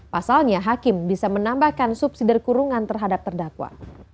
pasalnya hakim bisa menambahkan subsidi kurungan terhadap terdakwa